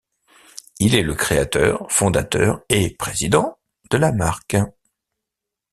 Il est le créateur, fondateur et président de la marque.